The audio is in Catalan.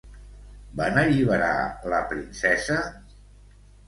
Van alliberar la princesa?